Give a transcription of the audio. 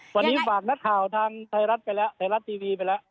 วันนี้ฝากนักข่าวทางไทยรัฐไปแล้วไทยรัฐทีวีไปแล้ว